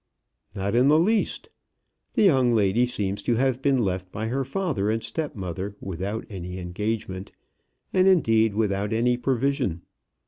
"Not in the least. The young lady seems to have been left by her father and step mother without any engagement, and, indeed, without any provision.